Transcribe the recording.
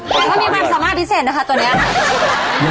มันก็มีความสามารถพิเศษนะคะตัวนี้